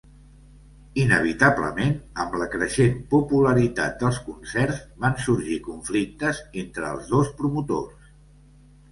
Inevitablement, amb la creixent popularitat dels concerts van sorgir "conflictes" entre els dos promotors.